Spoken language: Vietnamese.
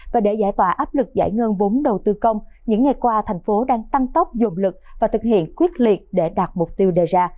và để giải tỏa áp lực giải ngân vốn đầu tư công những ngày qua thành phố đang tăng tốc dồn lực và thực hiện quyết liệt để đạt mục tiêu đề ra